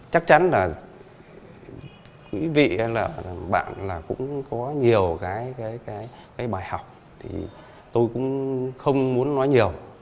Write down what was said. chắc chắn là quý vị hay là bạn là cũng có nhiều cái bài học thì tôi cũng không muốn nói nhiều